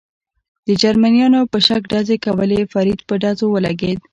د جرمنیانو په شک ډزې کولې، فرید په ډزو ولګېد.